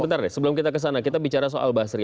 bentar deh sebelum kita kesana kita bicara soal basri